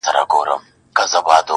څه همت څه ارادې څه حوصلې سه,